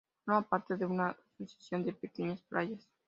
Forma parte de una sucesión de pequeñas playas.